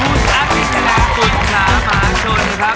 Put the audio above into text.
นี่คือสอนอัพแอปนี้คำแนะสุดท้ามาภาชนครับ